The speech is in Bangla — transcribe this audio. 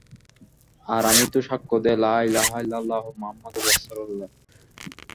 আর আমি তো সাক্ষ্য দেই, লা-ইলাহা ইল্লাল্লাহু মুহাম্মাদুর রাসূলুল্লাহ।